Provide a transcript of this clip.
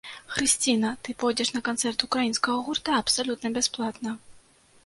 Хрысціна, ты пойдзеш на канцэрт украінскага гурта абсалютна бясплатна.